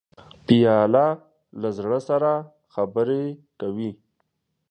پیاله له زړه سره خبرې کوي.